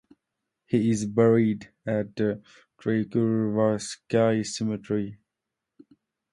He is buried at the Troyekurovskoye Cemetery.